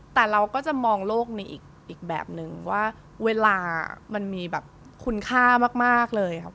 แต่เราก็จะมองโลกในอีกแบบนึงว่าเวลามันมีแบบคุณค่ามากเลยครับ